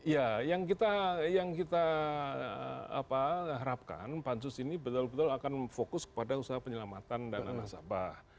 ya yang kita harapkan pansus ini betul betul akan fokus kepada usaha penyelamatan dana nasabah